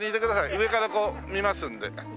上からこう見ますんで。